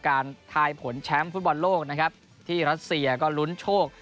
การทายผลแชมป์ฟุตบอลโลกนะครับที่รัสเซียก็ลุ้นโชค